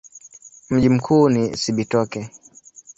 Mji mkuu ni Cibitoke.